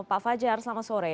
pak fajar selamat sore